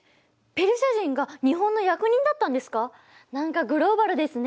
ペルシア人が日本の役人だったんですか？